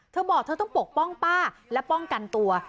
เธอบอกเธอต้องปกป้องป้าและป้องกันตัว